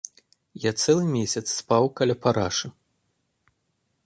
Я цэлы месяц спаў каля парашы.